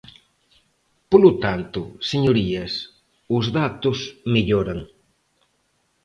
Polo tanto, señorías, os datos melloran.